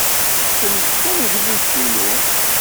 Kemm d taneglust-inu.